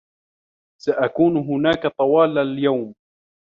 سأكون هنا طوال اليوم